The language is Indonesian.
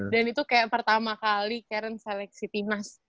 dan itu kayak pertama kali keren seleksi timnas